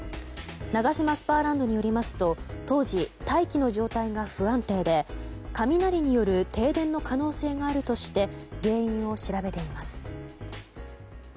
ナガシマスパーランドによりますと当時大気の状態が不安定で雷による停電の可能性があるとして原因を調べています。